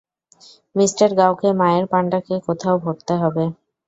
Mr গাওকে মায়ের পান্ডাকে কোথাও ভরতে হবে।